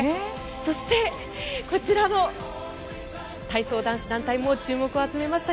そして、こちらの体操男子団体も注目を集めました。